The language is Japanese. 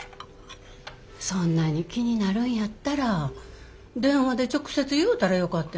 そんなに気になるんやったら電話で直接言うたらよかったやないの。